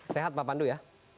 sehat pak pandu ya